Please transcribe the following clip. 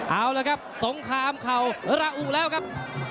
เอาล่ะครับสงขามเข่าอุลาอุแล้วกับ